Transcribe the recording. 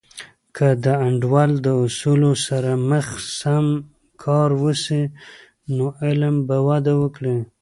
که د انډول د اصولو سره سم کار وسي، نو علم به وده وکړي.